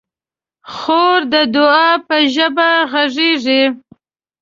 خور د دعا په ژبه غږېږي.